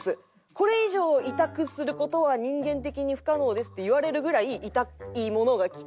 「これ以上痛くする事は人間的に不可能です」っていわれるぐらい痛いものがきて。